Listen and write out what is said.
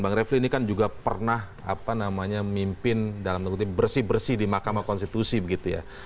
bang refli ini kan juga pernah apa namanya mimpin dalam bersih bersih di mahkamah konstitusi begitu ya